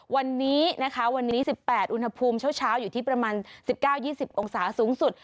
วันนี้นะคะวันนี้๑๘อุณหภูมิเช้าอยู่ที่ประมาณ๑๙๒๐องศาสูงสุด